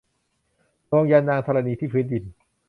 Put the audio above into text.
ลงยันต์นางธรณีที่พื้นดิน